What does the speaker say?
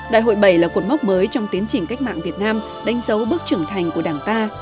đại hội bảy là cột mốc mới trong tiến trình cách mạng việt nam đánh dấu bước trưởng thành của đảng ta